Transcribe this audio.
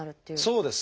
そうですね。